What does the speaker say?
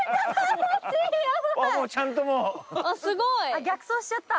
あっ逆走しちゃった。